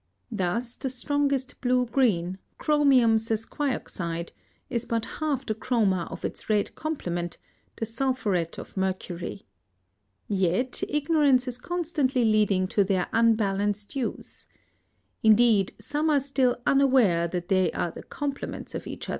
Thus the strongest blue green, chromium sesquioxide, is but half the chroma of its red complement, the sulphuret of mercury. Yet ignorance is constantly leading to their unbalanced use. Indeed, some are still unaware that they are the complements of each other.